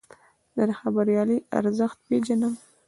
زه د خبریالۍ ارزښت پېژنم.